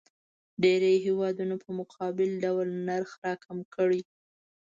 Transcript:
ډېری هیوادونه په متقابل ډول نرخ راکم کړي.